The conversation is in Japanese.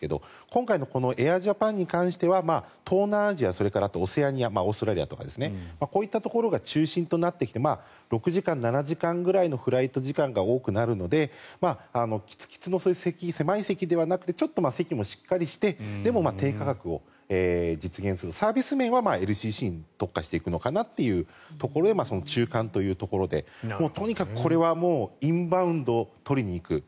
今回のこのエアジャパンに関しては東南アジア、それからオセアニアオーストラリアとかですねこういったところが中心となってきて６時間、７時間ぐらいのフライト時間が多くなるのでキツキツの狭い席ではなくてちょっと席もしっかりして低価格を実現するサービス面はＬＣＣに特化していくのかなというところで中間というところでとにかくこれはインバウンドを取りにいく。